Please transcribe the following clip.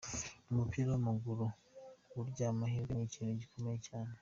Mu mupira w’amaguru burya amahirwe ni ikintu gikomeye cyane.